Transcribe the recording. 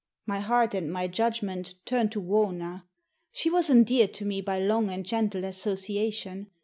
My heart and my judgment turned to Wauna. She was endeared to me by long and gentle association.